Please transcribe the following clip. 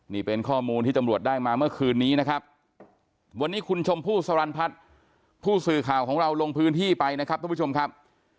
นี่เป็นข้อมูลที่ตำรวจได้มาเมื่อคืนนี้นะครับวันนี้คุณชมพู่สรรพัฒน์ผู้สื่อข่าวของเราลงพื้นที่ไปนะครับทุกผู้ชมครับ